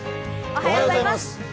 おはようございます。